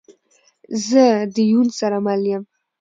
زه ده یون سره مل یم